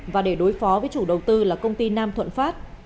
và để đối phó với chủ đầu tư là công ty nam thuận phát